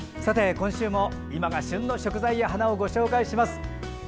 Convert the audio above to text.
今週も今が旬の食材や花をご紹介します。